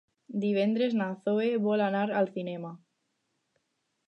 Divendres na Zoè vol anar al cinema.